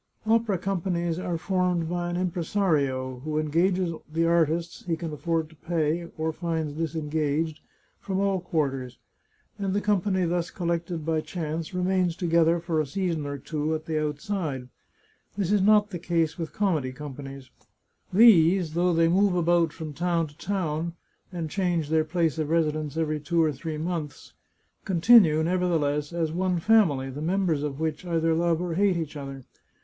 Opera companies are formed by an impresario, who en gages the artists he can afford to pay, or finds disengaged, from all quarters, and the company thus collected by chance remains together for a season or two, at the outside. This is not the case with comedy companies. These, though they move about from town to town, and change their place of residence every two or three months, continue, neverthe less, as one family, the members of which either love or hate each other.